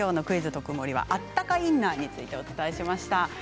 「クイズとくもり」はあったかインナーについてお伝えしました。